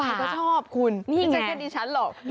อย่าเช็ดเป็นอีฉันหรอ